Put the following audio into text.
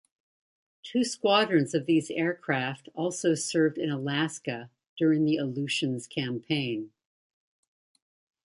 Two squadrons of these aircraft also served in Alaska during the Aleutians campaign.